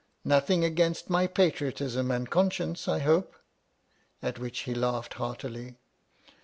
Nothing against my patriotism and conscience, I hope ] (at which he laughed heartily).